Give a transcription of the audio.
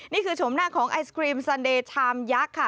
ชมหน้าของไอศครีมซันเดย์ชามยักษ์ค่ะ